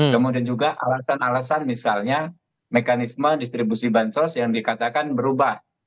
kemudian juga alasan alasan misalnya mekanisme distribusi bansos yang dikatakan berubah